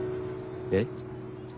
えっ？